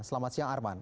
selamat siang arman